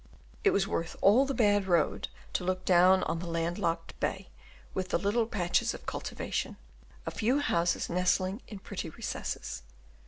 It was worth all the bad road to look down on the land locked bay, with the little patches of cultivation, a few houses nestling in pretty recesses.